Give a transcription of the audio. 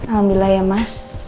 alhamdulillah ya mas